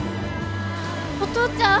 お父ちゃん？